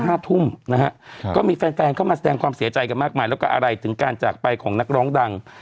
ห้าทุ่มนะฮะครับก็มีแฟนแฟนเข้ามาแสดงความเสียใจกันมากมายแล้วก็อะไรถึงการจากไปของนักร้องดัง